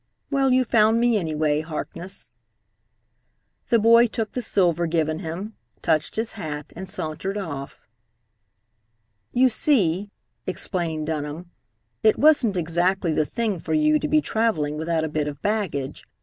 Well, you found me anyhow, Harkness." The boy took the silver given him, touched his hat, and sauntered off. "You see," explained Dunham, "it wasn't exactly the thing for you to be travelling without a bit of baggage.